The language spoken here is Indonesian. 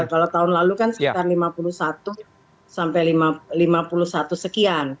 kalau tahun lalu kan sekitar lima puluh satu sampai lima puluh satu sekian